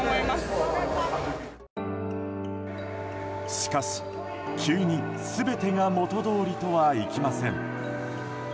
しかし、急に全てが元通りとはいきません。